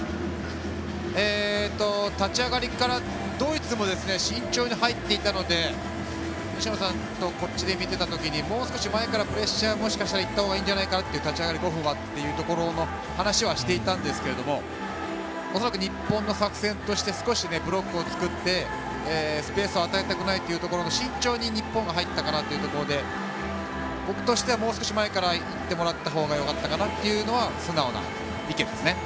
立ち上がりからドイツも慎重に入っていたので西野さんとこっちで見ていた時にもう少し前からプレッシャーに行った方がいいんじゃないかなという話はしていたんですけども恐らく日本の作戦として少しブロックを作ってスペースを与えたくないということで慎重に日本も入ったかなというところで僕としてはもう少し前から行ってもらった方がよかったかなというのが素直な意見ですね。